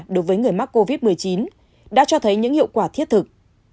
đối với người mắc covid một mươi chín đã cho thấy những hiệu quả thiết thực